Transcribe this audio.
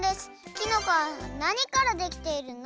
きのこは何からできているの？」